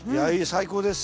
最高です。